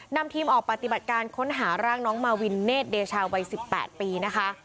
นำทีมออกปฏิบัติการค้นหาร่างน้องมาวินเนธเดชาวัย๑๘ปีนะคะ